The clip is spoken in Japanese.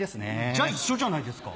じゃ一緒じゃないですか。